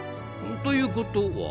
ということは？